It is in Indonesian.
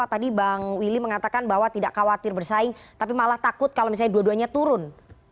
tadi bang willy mengatakan bahwa tidak khawatir bersaing tapi malah takut kalau misalnya dua duanya turun